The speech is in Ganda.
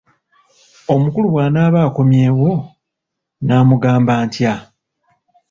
Omukulu bwanaaba akomyewo nnaamugamba ntya?